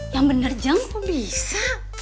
yang bener jang kok bisa